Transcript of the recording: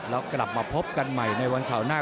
แล้วกลับมาพบกันใหม่ในวันเสาร์หน้า